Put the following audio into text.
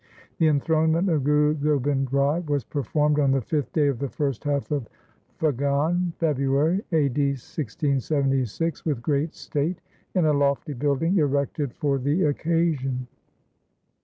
The enthronement of Guru Gobind Rai was performed on the fifth day of the first half of Phagan (February), a.d. 1676, with great state in a lofty building erected for the occasion.